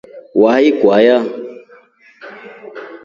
Wauya kwaya.